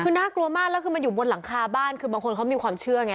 คือน่ากลัวมากแล้วคือมันอยู่บนหลังคาบ้านคือบางคนเขามีความเชื่อไง